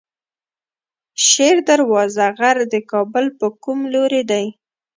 شیر دروازه غر د کابل په کوم لوري دی؟